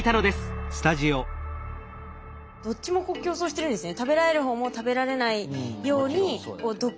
どっちも競争してるんですね。